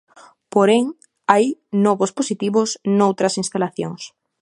Porén, hai novos positivos noutras instalacións.